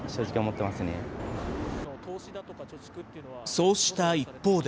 そうした一方で。